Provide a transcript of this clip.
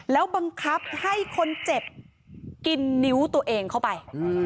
แล้วบังคับให้คนเจ็บกินนิ้วตัวเองเข้าไป